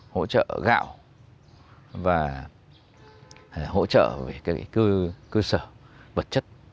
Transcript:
hỗ trợ gạo và hỗ trợ về cơ sở vật chất